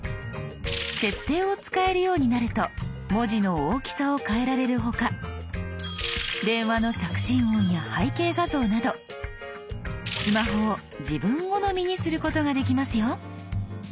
設定を使えるようになると文字の大きさを変えられる他電話の着信音や背景画像などスマホを自分好みにすることができますよ。